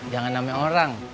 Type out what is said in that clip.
jangan ame orang